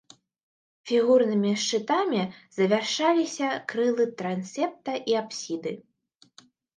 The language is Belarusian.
Фігурнымі шчытамі завяршаліся крылы трансепта і апсіды.